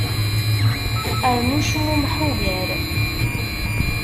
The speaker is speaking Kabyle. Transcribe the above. Rnu cmummeḥ ugar.